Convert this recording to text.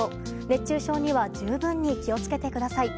熱中症には十分に気を付けてください。